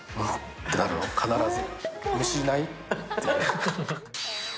ってなる、必ず。